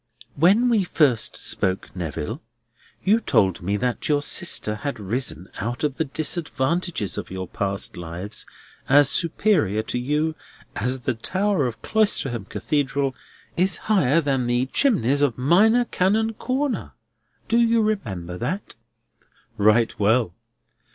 "When we first spoke together, Neville, you told me that your sister had risen out of the disadvantages of your past lives as superior to you as the tower of Cloisterham Cathedral is higher than the chimneys of Minor Canon Corner. Do you remember that?" "Right well!"